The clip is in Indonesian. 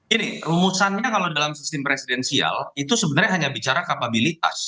ini rumusannya kalau dalam sistem presidensial itu sebenarnya hanya bicara kapabilitas